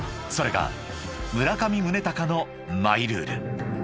［それが村上宗隆のマイルール］